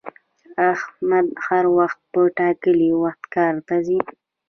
احمد هر وخت په ټاکلي وخت کار ته ځي